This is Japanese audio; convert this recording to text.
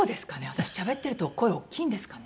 私しゃべってると声おっきいんですかね？